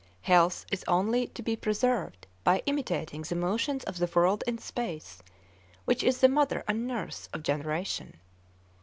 Health is only to be preserved by imitating the motions of the world in space, which is the mother and nurse of generation.